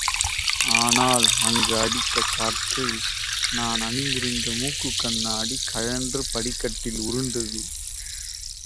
ஆனால் அங்கு அடித்த காற்றில், நான் அணிந்திருந்த மூக்குக் கண்ணாடி கழன்று படிகளில் உருண்டது.